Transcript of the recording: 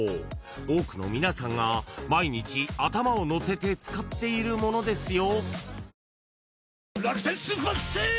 多くの皆さんが毎日頭をのせて使っているものですよ］